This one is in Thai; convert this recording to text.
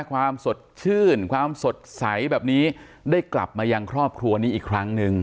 ความสดชื่นความสดใสแบบนี้ได้กลับมายังครอบครัวนี้อีกครั้งหนึ่ง